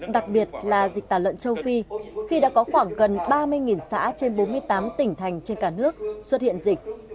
đặc biệt là dịch tả lợn châu phi khi đã có khoảng gần ba mươi xã trên bốn mươi tám tỉnh thành trên cả nước xuất hiện dịch